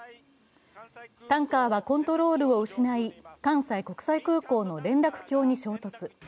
タンカーはコントロールを失い関西国際空港の連絡橋に衝突。